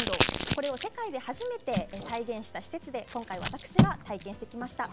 これを世界で初めて再現した施設で今回、私が体験してきました。